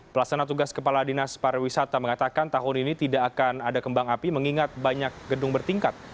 pelaksana tugas kepala dinas pariwisata mengatakan tahun ini tidak akan ada kembang api mengingat banyak gedung bertingkat